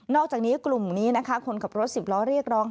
อกจากนี้กลุ่มนี้นะคะคนขับรถสิบล้อเรียกร้อง